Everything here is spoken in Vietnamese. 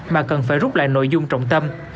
mà cần phải rút lại nội dung trọng tâm